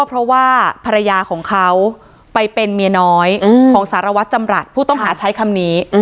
เพราะว่าภรรยาของเขาไปเป็นเมียน้อยของสารวัตรจำรัฐผู้ต้องหาใช้คำนี้